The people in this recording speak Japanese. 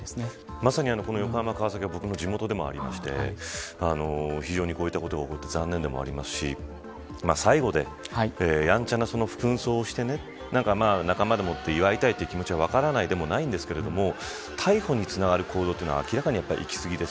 まさに、横浜、川崎は僕の地元でもありまして非常にこういったことが起こって、残念でもありますし最後でやんちゃなふん装をして仲間でもって祝いたいという気持ちは分からないでもないんですが逮捕につながる行動というのは明らかにいき過ぎです